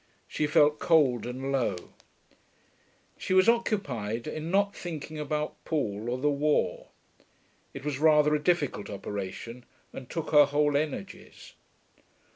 She felt cold and low. She was occupied in not thinking about Paul or the war; it was rather a difficult operation, and took her whole energies.